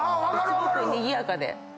すごくにぎやかで。